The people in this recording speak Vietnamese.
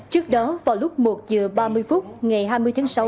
trước đó vào lúc một giờ ba mươi phút ngày hai mươi tháng sáu